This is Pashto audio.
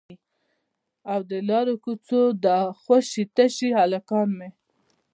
او د لارو کوڅو دا خوشي تشي هلکان مې